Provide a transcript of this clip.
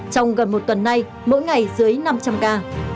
trong gần một tuần nay mỗi ngày dưới năm trăm linh ca